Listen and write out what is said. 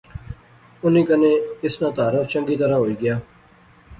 انیں کنے اس ناں تعارف چنگیا طرح ہوئی گیا